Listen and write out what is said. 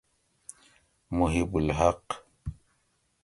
محب الحق